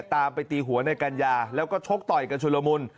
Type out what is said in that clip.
ตามไปตีหัวในกัญญาแล้วก็ชกต่อยกันชุลมุน